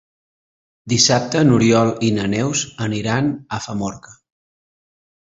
Dissabte n'Oriol i na Neus aniran a Famorca.